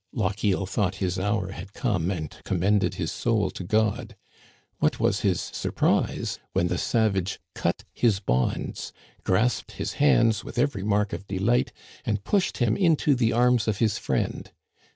Lochiel thought his hour had come and commended his soul to God. What was his surprise when the savage cut his bonds, grasped his hands with every mark of delight, and pushed him into the arms of his friend.